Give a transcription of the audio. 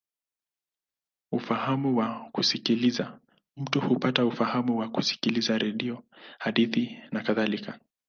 Ufahamu wa kusikiliza: mtu hupata ufahamu kwa kusikiliza redio, hadithi, nakadhalika.